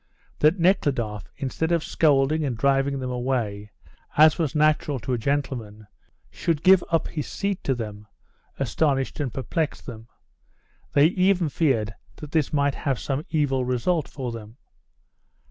That Nekhludoff, instead of scolding and driving them away, as was natural to a gentleman, should give up his seat to them, astonished and perplexed them. They even feared that this might have some evil result for them.